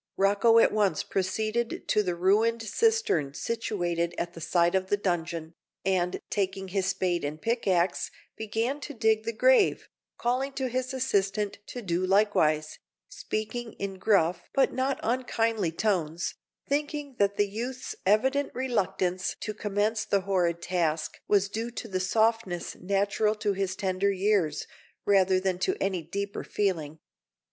Rocco at once proceeded to the ruined cistern situated at one side of the dungeon, and, taking his spade and pickaxe, began to dig the grave, calling to his assistant to do likewise, speaking in gruff but not unkindly tones, thinking that the youth's evident reluctance to commence the horrid task was due to the softness natural to his tender years, rather than to any deeper feeling.